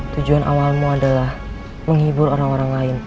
tujuan awalmu adalah menghibur orang orang lain